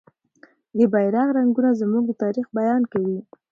د بیرغ رنګونه زموږ د تاریخ بیان کوي.